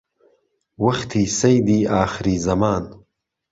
وهختی سهیدی ئاخری زهمان